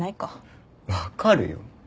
分かるよ。